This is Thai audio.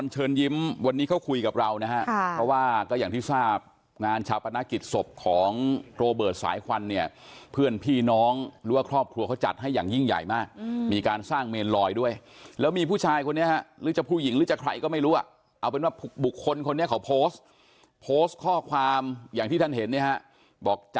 เชิญยิ้มวันนี้เขาคุยกับเรานะฮะเพราะว่าก็อย่างที่ทราบงานชาปนกิจศพของโรเบิร์ตสายควันเนี่ยเพื่อนพี่น้องหรือว่าครอบครัวเขาจัดให้อย่างยิ่งใหญ่มากมีการสร้างเมนลอยด้วยแล้วมีผู้ชายคนนี้ฮะหรือจะผู้หญิงหรือจะใครก็ไม่รู้อ่ะเอาเป็นว่าบุคคลคนนี้เขาโพสต์โพสต์ข้อความอย่างที่ท่านเห็นเนี่ยฮะบอกจะ